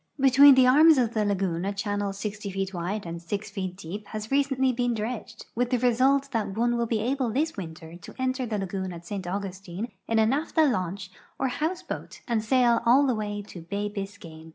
Between the arms of the lagoon a channel 60 feet wide and 6 feet deep has recentl}' been dredged, with the result that one will be able this winter to enter the lagoon at St. Augustine in a naphtha launch or house boat and sail all the way to bay Biscayne.